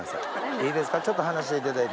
いいですかちょっと離していただいて。